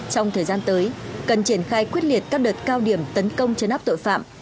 trong thời gian tới cần triển khai quyết liệt các đợt cao điểm tấn công chấn áp tội phạm